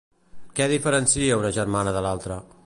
Què diferencia una germana de l'altre?